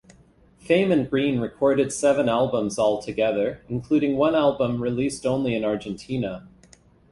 Fame and Greene recorded seven albums altogether, including one album released only in Argentina.